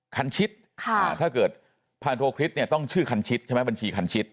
คันชิดถ้าเกิดพันโทคริสเนี่ยต้องชื่อคันชิดใช่ไหมบัญชีคันชิด